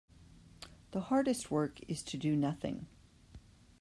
The hardest work is to do nothing.